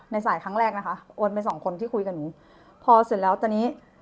ในสายครั้งแรกนะคะโอนไปสองคนที่คุยกับหนูพอเสร็จแล้วตอนนี้